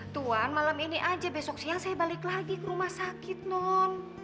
tuan malam ini aja besok siang saya balik lagi ke rumah sakit non